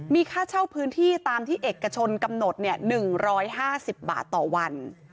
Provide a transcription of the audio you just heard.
มีค่าเช่าพื้นที่ตามที่เอกชนกำหนด๑๕๐บาทต่อวัน